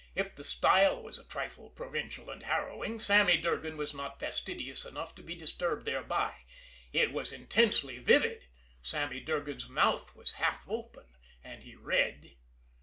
If the style was a trifle provincial and harrowing, Sammy Durgan was not fastidious enough to be disturbed thereby it was intensely vivid. Sammy Durgan's mouth was half open, as he read.